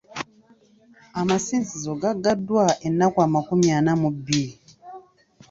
Amasinzizo gaggaddwa ennaku amakumi ana mu bbiri.